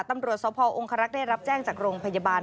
ตำรวจสพองคารักษ์ได้รับแจ้งจากโรงพยาบาล